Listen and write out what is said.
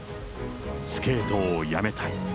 スケートをやめたい。